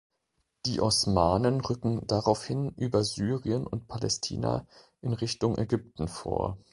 Die Osmanen rücken daraufhin über Syrien und Palästina in Richtung Ägypten vor.